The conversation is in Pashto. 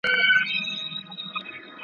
او په څلوردېرش کلنی کي .